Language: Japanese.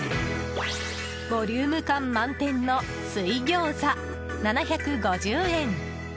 ボリューム感満点の水餃子７５０円。